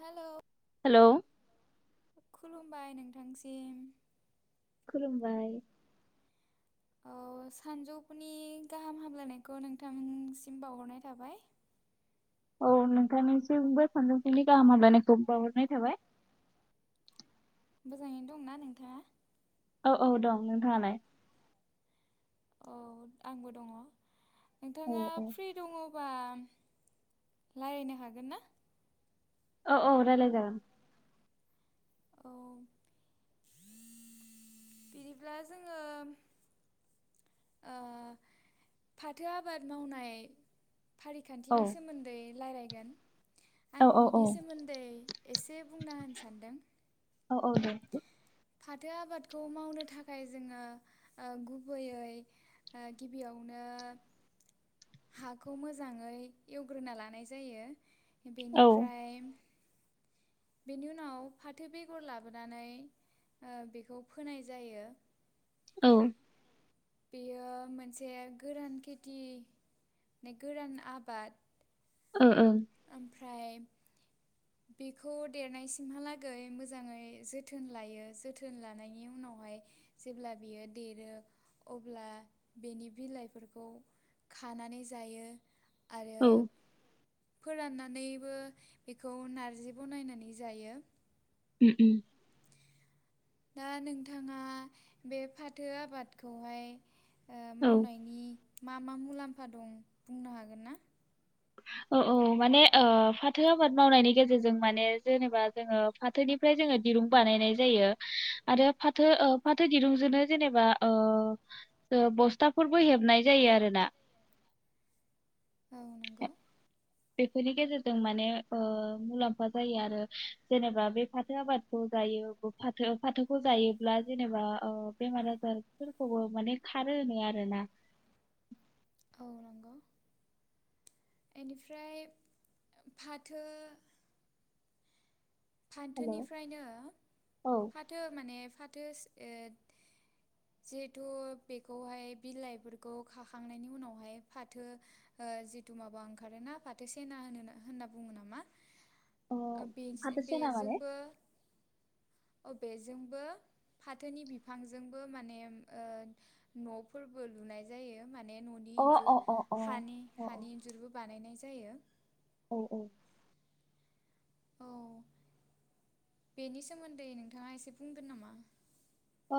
Hello hello खुलुमबाय नोंथांसिम खुलुमबाय। औ सानजौफुनि गाहाम हामलायनायखौ नोंथांसिम बावहरनाय थाबाय। औ नोंथांनिसिमबो सानजौफुनि गाहाम हामलानायखौ बावहरनाय थाबाय। मोजाङैनो दंना नोंथाङा? औ औ दं नोंथाङालाय? औ आंबो दङ। नोंथाङा फ्रि दङ बाम लायरायनो‌ हागोन ना? औ औ रायलायजागोन। औ बिदिब्ला जोङो ओ फाथो आबाद मावनाय फारिखान्थिनि सोमोन्दै लायरायगोन। आं बिनि सोमोन्दै एसे बुंना होनोस सानदों। औ औ दे। फाथो आबादखौ मावनो थाखाय जोङो ओ गुबैयै ओ गिबियावनो हाखौ मोजाङै एवग्रोना लानाय जायो। बेनिफ्राय बेनि उनाव फाथो बेगर लाबोनानै ओ बेखौ फोनाय जायो। औ बेयो मोनसे गोरान खेथि माने गोरान आबाद। ओ ओम ओमफ्राय बेखौ देरनायसिमहालागै मोजाङै जोथोन लायो जोथोन लानायनि उनावहाय जेब्ला बियो देरो अब्ला बेनि बिलाइफोरखौ खानानै जायो। औ फोराननानैबो बेखौ नारजि बनायनानै जायो। उम उम दा नोंथाङा बे फाथो आबादखौहाय ओ मावनायनि मा मा मुलाम्फा दं बुंनो हागोन ना? औ औ माने ओ फाथो आबाद मावनायनि गेजेरजों माने जेनेबा जोंङो फाथोनिफ्राय जोंङो दिरुं बानायनाय जायो आरो फाथो ओ फाथो दिरुंजोंनो जेनेबा ओ बस्थाफोरबो हेबनाय जायो आरोना। बेफोरनि गेजेरजों माने ओ मुलाम्फा जायो आरो जेनेबा बे फाथो आबादखौ जायोबो फाथो फाथोखौ जायोब्ला जेनेबा ओ बेमार आजारफोरखौबो माने खारो होनो आरोना। इनिफ्राय फाथो फानथोनिफ्रायनो फाथो माने फा थोस ओद ओ जिहेथु बेखौहाय बिलाइफोरखौ खाखांनायनि उनावहाय फाथो ओ जिथु माबा ओंखारोना फाथो सेना होनो होनना बुंङो नामा? ओ [unintelligible] बेजोंबो अबेजोंबो फाथोनि बिफांजोंबो माने ओ न'फोरबो लुनाय जायो। माने न'नि इजुर हानि हानि इन्जुरबो बानायनाय जायो। औ औ औ बेनि सोमोन्दै नोंथांङा एसे बुंगोन नामा? अ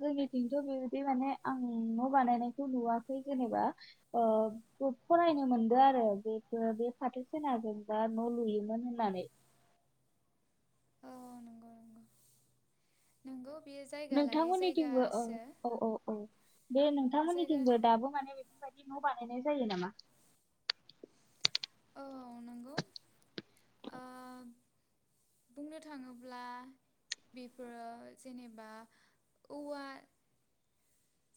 जोंनिथिंथ' बेबायदि माने आं न' बानायनायखौ नुवाखै जेनेबा ओ फ-फरायनो मोनदोआरो बेखो बे फाथोसेनाजों दा न' लुयोमोन होननानै। औ नंगौ नंगौ नोंगौ। नोंथांमोननिथिंबो ओ औ औ औ बेे नोंथांमोननिथिंबो दाबो माने बेफोरबायदि दि न' बानायनाय जायो नामा? औ नंगौ ओ बुंनो थाङोब्ला बेफोरो जेनेबा औवा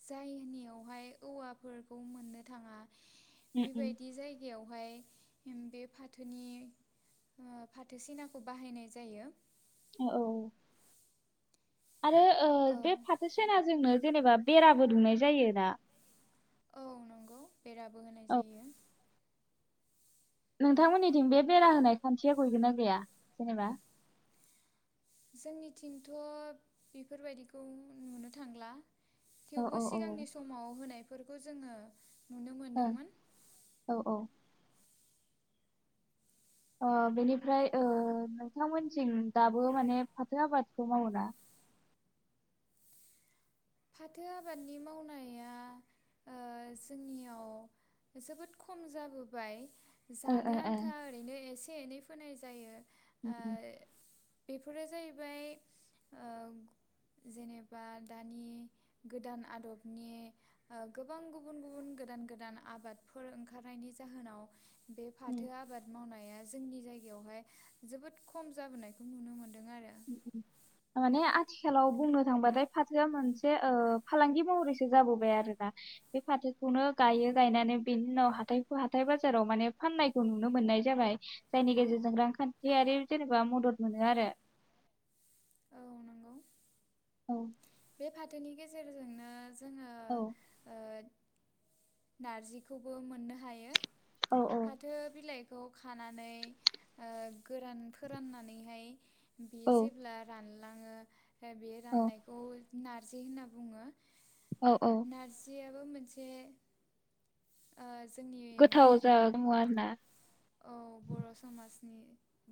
जायनियावहाय औवाफोरखौ मोननो थाङा बेबायदि जायगायावहाय हिम बे फाथोनि ओ फाथो सेनाखौ बाहायनाय जायो। अऔ आरो ओ बे फाथो सेना जोंनो जेनेबा बेराबो दुमनाय जायो ना? औ नंगौ। बेराबो होनाय जायो। नोंथांमोननिथिं बे बेरा होनाय खान्थिया गैगोनना गैया जेनेबा? जोंनिथिंथ' बेफोरबायदिखौ नुनो थांला। थेवबो सिगांनि समाव होनाय फोरखौ जोंङो ओं औ औ ओ बेनिफ्राय ओ नोंथांमोननिथिं दाबो माने फाथो आबादखौ मावो ना? फाथो आबादनि मावनाया ओ जोंनियाव जोबोद खम जाबोबाय। जानो आन्था ओरैनो एसे से एनै फोनाय जायो। उम उम बेफोरो जाहैबाय ओ जेनेबा दानि गोदान आदबनि ओ गोबां गुबुन गुबुन गोदान गोदान आबादफोर ओंखारनायनि जाहोनाव बे फाथो आबाद मावनाया जोंनि जायगायावहाय जोबोद खम जाबोनायखौ नुनो मोनो उम उम माने आं आथिखालाव बुंनो थांबाथाय फाथोआ मोनसे ओ फालांगि महरैसो जाबोबाय आरोना बे फाथोखौनो गायो गायनानै बेनि उनाव हाथाइ-हाथाय बाजाराव माने फाननायखौ नुनो मोननाय जाबाय जायनि गेजेरजों रांखान्थियारि जेनेबा मदद मोनो आरो औ नंगौ औ फाथोनि गेजेरजोंनो जोङो औ ओ नारजिखौबो मोननो हायो फाथो बिलाइखौ खौ खानानै ओ गोरान फोराननानैहाय बेयो जेब्ला रान ओ बेयो राननायखौ नारजि होनना बुङो नारजिया बो मोनसे ओ जों गोथाव जा दङ आरोना औ बर' समाजनि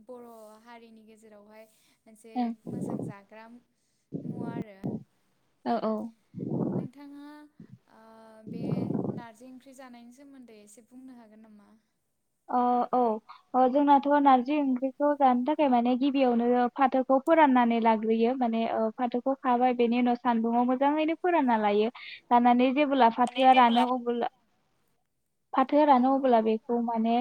बर' हारिनि गेजेरावहाय मोनसे मोजां जाग्रा मुवा आरो नोंथाङा बे आ नारजि ओंख्रि जानायनि सोमोन्दै एसे बुंनो हागोन नामा? ओ औ जोंनाथ' नारजि ओंख्रिखौ जानो थाखाय माने गिबियावनो फाथोखौ फोराननानै लाग्रोयो माने ओ फाथोखौ खाबाय बेनि उनाव सानदुङाव मोजाङैनो फोरानना लायो लानानै जेबोला फाथोआ रानो अबोला फाथोआ रानो अब्ला बेखौ माने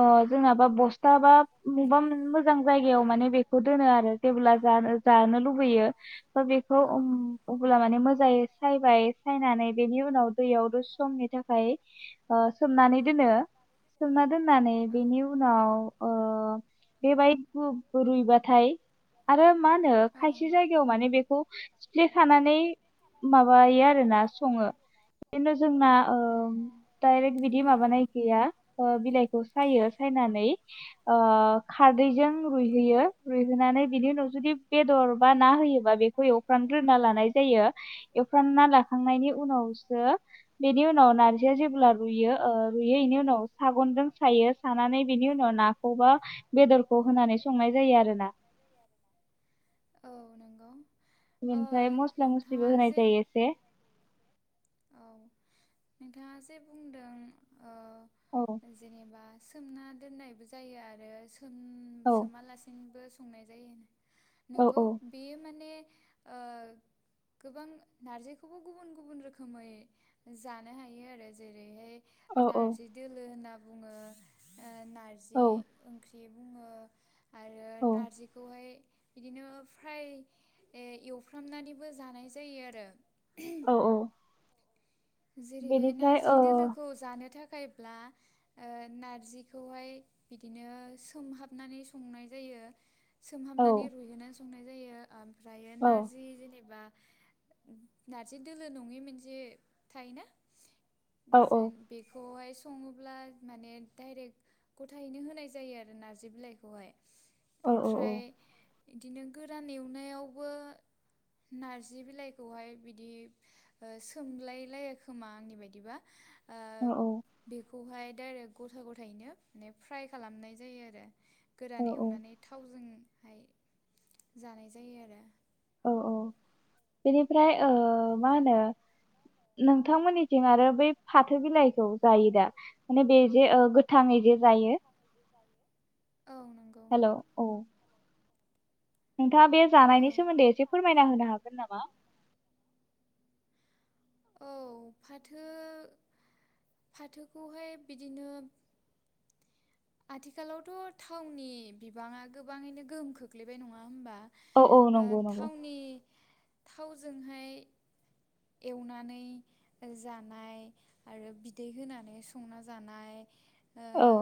ओ जोंनाबा बस्था बा मबेबा मोजां जायगायाव माने बेखौ दोनो आरो जेब्ला जानो जानो लुुबैयो बेखौ औम अब्ला माने मोजाय सायबाय सायनानै बेनि उनाव दैयाव दसेसमनि थाखाय सोमनानै दोनो सोमना दोननानै बेनि उनाव ओ बेबाया रुय-रुइबाथाय आरो मा होनो खायसे जायगायाव माने बेखौ सिफ्लेखानानै माबायो आरोना सङो खिन्थु जोंना ओ दडायरेक्ट बिदि माबानाय गैया बिलाइखौ सायो सायनानै ओ खारदैजों रुइहोयो रुइहोनानै बेनि उनाव जुदि बेदर बा ना होयोबा बेखौ एवफ्रामग्रोना लानाय जायो एवफ्रामना लाखांनायनि उनावसो बेनि उनाव नारजिया जेब्ला रुइयो ओ रुइयो बेनि उनाव सागनजों सायो सानानै बिनि उनाव नाखौबो बेदरखौ होनानै संनाय जायो आरोना बेनिफ्राय मस्ला मस्लिबो होनाय जायो एसे औ नोंथाङा जे बुंदों ओ जेनेबा सोमना दोननायबो जायो आरो सोमा लासिनोबो संनाय जायो नोंगौ बेयो माने गोबां नारजिखौबो गुबुन गुबुन रोखोम रोखोमै जानो हायो आरो जेरैहाय नारजि दोलो होना बुङो नारजि ओंख्रि बुङो आरो नारजिखौहाय बिदिनो फ्राय एवफ्रामनानैबो जानाय जायो आरो [inaudible] जेरैहाय नारजि दोलोखौ जानो थाखाय होयोब्ला नारजिखौहाय बिदिनो सोमहाबनानै संनाय जायो सोमहामनानै रुइहोना संनाय आमफ्रायो नारजि जेनेबा नारजि दोलो नङि मोनसे थायोना जों बेखौहाय सङोब्ला माने डाइरेक्ट गथायैनो होनाय जायो आरो नारजि बिलाइखौहाय आमफ्राय बिदिनो गोरान एवनायावबो नारजि बिलाइखौहाय बिदि सोमलाय लयो खोमा आंनि बायदिबा औ औ खौहाय डाइरेक्ट गथा गथायैनो माने फ्राइ खालामनाय जायो आरो गोरान एवनानै थावजों हाय जानाय जायो आरो औ बेनिफ्राय ओ मा होनो नोंथांमोननिथिं आरो बै फाथो बिलाइखौ जायो दा माने बे जे गोथाङै जे जायो [inaudible] हेलौ औ नोंथाङा बे जानायनि सोमोन्दै एसे फोरमायना होनो हागोन नामा? औ फाथो फाथोखौहाय बिदिनो आथिखालावथ थावनि बिबाङा गोबाङैनो गोहोम खोख्लैबाय नङा होमबा ओ थावनि थावजोंहाय एवनानै जानाय आरो बिदै होनानै संना जानाय औ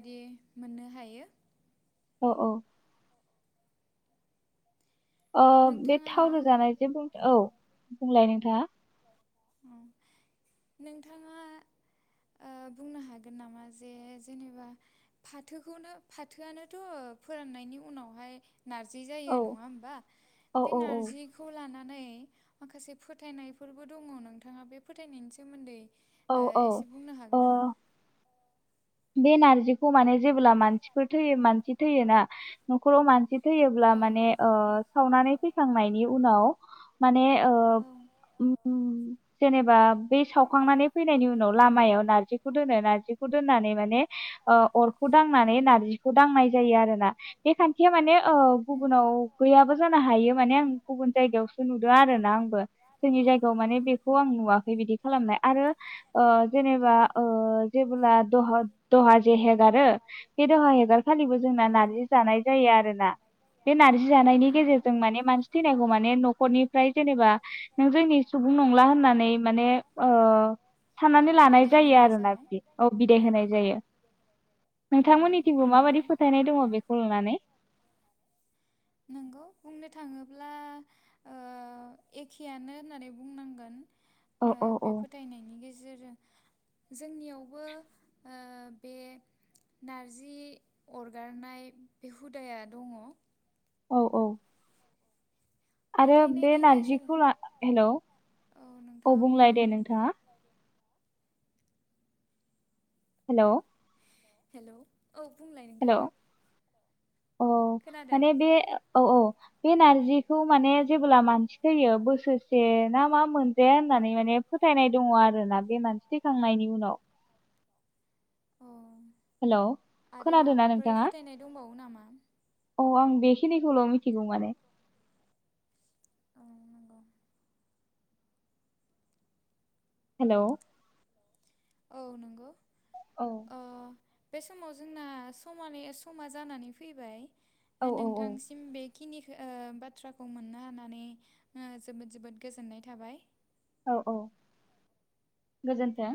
दि मोननो हायो औ औ ओ बे थाव जानाय जे बुं औ बुंलाय नोंथाङा नोंथाङा बुंनो हागोन नामा जे जेनेबा फाथोखौनो फाथोआनोथ फोराननायनि उनावहाय नारजि जायो नङा होमबा बे नारजिखौ लानानै नै माखासे फोथायनायफोरबो दङ नोंथाङा बे फोथायनायनि सोमोन्दै औ औ ओ बे नारजिखौ माने जेब्ला मानसिफोर थैयो मानसि थैयोना नखराव मानसि थैयोब्ला माने अ सावनानै फैखांनायनि उनाव माने ओब उ उ जेनेबा बे सावखांनानै फैनायनि उनाव लामायाव नारजिखौ दोनो नारजिखौ दोननानै माने अ अर खौ दांनानै नारजिखौ दांनाय जायो आरोना बे खान्थिया माने ओ गुबुनाव गैयाबो जानो हायो माने आं गुबुन जायगायावसो नुदों आरो ना आंबो जोंनि जायगायाव माने बेखौ आं नुवाखै बिदि खालामनाय आरो ओ जेनेबा जेबोब्ला दहा दहा जे [unintelligible] बे दावहा हेगारखालिबो जोंना नार्जि जानाय जायो आरो ना बे नारजि जानायनि गेजेरजों माने मानसि थैनायखौ माने नखरनिफ्राय जेनेबा नों जोंनि सुबुं नंला होननानै माने ओ साननानै लानाय जायो आरोना बिदि औ बिदाय होनाय दे नोंथांमोननिथिंबो माबादि फोथायनाय दङ बेखौ लानानै नंगौ बुंनो थाङोब्ला ओ एखेयानो होननानै बुंनांगोन ओ बे फोथायनायनि गेजेरजों जोंनियावबो ओ बे नारजि अरगारनाय बे हुदाया दङ औ औ आरो बे नारजिखौ ला हेलौ औ बुंलाय दे नोंथाङा हेलौ हेल औ बुंलाय नोंथाङा। औ माने बे औ औ बे नारजिखौ माने जेब्ला मानसि थैयो बोसोरसे ना मा मोनजाया होननानै माने फोथायनाय दङ आरोना बे मानसि थैखांनायनि उनाव। हेलौ खोनादों ना नोंथाङा औ आं बे खिनिखौल' मिथिगौ माने। हेलौ औ नंगौ। अ बे समाव जोंना समानै समा जानानै फैबाय। दा नोंथांसिम बे खिनिखौ ओ बाथ्राखौ मोननो हानानै ओ जोबोद जोबोद गोजोननाय थाबाय। औ औ गोजोन्थों।